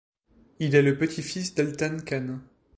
Il est le petit-fils d'Altan Khan.